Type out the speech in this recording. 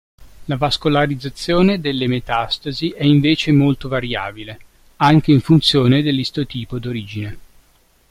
La vascolarizzazione delle metastasi è invece molto variabile, anche in funzione dell'istotipo d'origine.